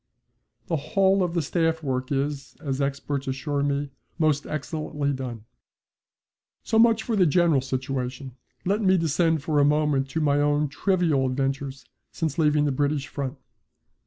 The whole of the staff work is, as experts assure me, moot excellently done. So much for the general situation. Let me descend for a moment to my own trivial adventures since leaving the British front.